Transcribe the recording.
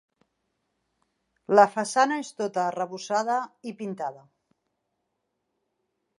La façana és tota arrebossada i pintada.